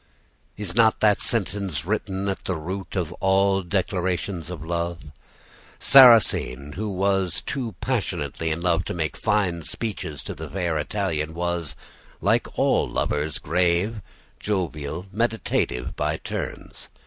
"Is not that sentence written at the root of all declarations of love? Sarrasine, who was too passionately in love to make fine speeches to the fair Italian, was, like all lovers, grave, jovial, meditative, by turns.